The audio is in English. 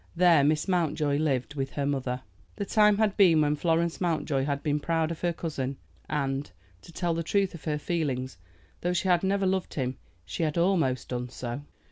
There Miss Mountjoy lived, with her mother. The time had been when Florence Mountjoy had been proud of her cousin, and, to tell the truth of her feelings, though she had never loved him, she had almost done so.